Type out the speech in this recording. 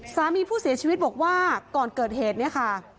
สามีผู้เสียชีวิตบอกว่าก่อนเกิดเหตุเนี่ยค่ะ